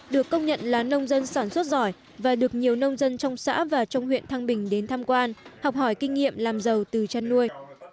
được công nhận là nông dân sản xuất giỏi và được nhiều nông dân trong xã và trong huyện thăng bình đến tham quan học hỏi kinh nghiệm làm giàu từ chăn nuôi